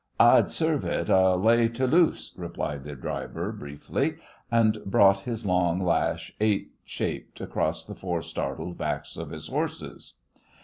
"I'd serve it, a lay Tooloose," replied the driver, briefly, and brought his long lash 8 shaped across the four startled backs of his horses.